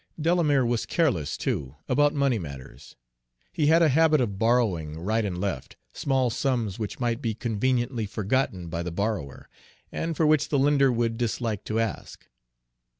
Delamere was careless, too, about money matters. He had a habit of borrowing, right and left, small sums which might be conveniently forgotten by the borrower, and for which the lender would dislike to ask.